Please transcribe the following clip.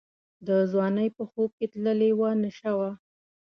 د ځوانۍ په خوب کي تللې وه نشه وه